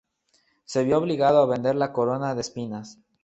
Se vio obligado a vender la Corona de espinas.